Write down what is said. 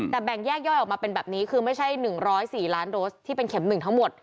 แต่แบ่งแยกย่อยออกมาเป็นแบบนี้คือไม่ใช่๑๐๔ล้านโดสที่เป็นเข็ม๑ทั้งหมด